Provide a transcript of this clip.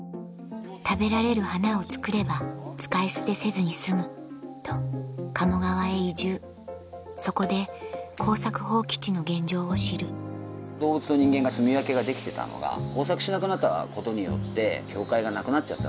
食べられる花を作れば使い捨てせずに済むと鴨川へ移住そこで耕作放棄地の現状を知る動物と人間が棲み分けができてたのが耕作しなくなったことによって境界がなくなっちゃった。